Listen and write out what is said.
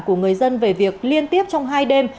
của người dân về việc liên tiếp trong hai đêm